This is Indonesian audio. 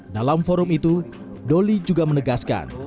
dalam forum itu doli juga menegaskan